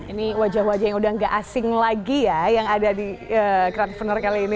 ini wajah wajah yang udah gak asing lagi ya yang ada di crentre kali ini